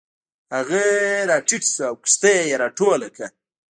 هغه راټیټ شو او کښتۍ یې راټوله کړه.